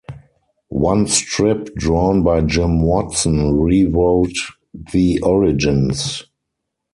One strip drawn by Jim Watson rewrote the origins.